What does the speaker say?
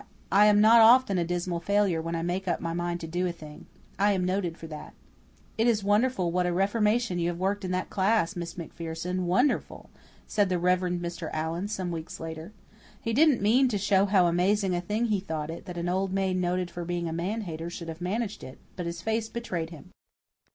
I am not often a dismal failure when I make up my mind to do a thing. I am noted for that. "It is wonderful what a reformation you have worked in that class, Miss MacPherson wonderful," said the Rev. Mr. Allan some weeks later. He didn't mean to show how amazing a thing he thought it that an old maid noted for being a man hater should have managed it, but his face betrayed him.